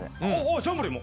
ジャンボリーも！